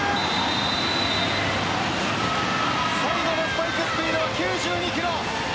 最後のスパイクスピードは９２キロ。